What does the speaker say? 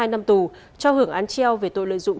hai năm tù cho hưởng án treo về tội lợi dụng